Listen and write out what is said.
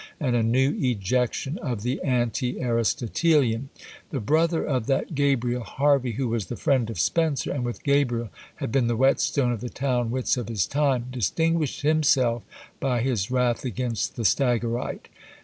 and a new ejection of the Anti Aristotelian! The brother of that Gabriel Harvey who was the friend of Spenser, and with Gabriel had been the whetstone of the town wits of his time, distinguished himself by his wrath against the Stagyrite.